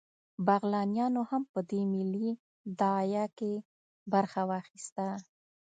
بغلانیانو هم په دې ملي داعیه کې برخه واخیسته